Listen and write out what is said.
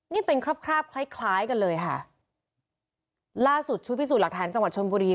นี่เป็นคราบคราบคล้ายคล้ายกันเลยค่ะล่าสุดชุดพิสูจน์หลักฐานจังหวัดชนบุรี